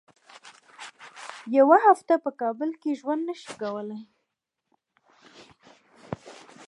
یوه هفته په کابل کې ژوند نه شي کولای.